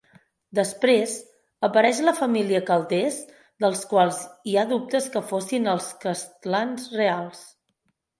Després, apareix la família Calders, dels quals hi ha dubtes que fossin els castlans reals.